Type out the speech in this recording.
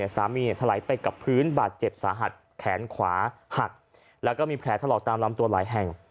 สามีทะไหลไปกับพื้นบาดเจ็บสาหัสแขนขวาหักแล้วก็มีแผลทะเลาะตามล้ำตัวหลายแห้ง